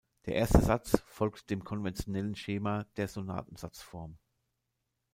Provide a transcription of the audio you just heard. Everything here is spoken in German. Der erste Satz folgt dem konventionellen Schema der Sonatensatzform.